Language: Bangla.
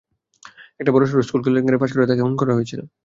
একটা বড়োসড়ো স্কুল কেলেঙ্কারি ফাঁস করায় তাকে খুন করা হয়েছিল।